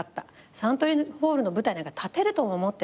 サントリーホールの舞台なんか立てるとも思ってなかった。